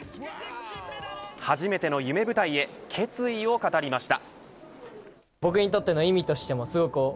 初めての夢舞台へ決意を語りました。